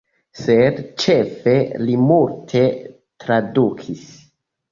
Sed ĉefe li multe tradukis.